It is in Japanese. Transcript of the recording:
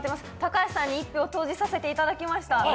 高橋さんに１票投じさせていただきました。